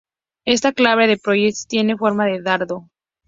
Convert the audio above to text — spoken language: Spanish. Esta clase de proyectiles tienen forma de dardo.